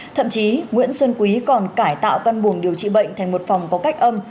thậm chí nguyễn xuân quý còn cải tạo căn buồng điều trị bệnh thành một phòng có cách âm